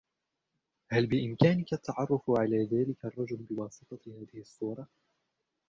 هل بإمكانك التعرف على ذلك الرجل بواسطة هذه الصورة ؟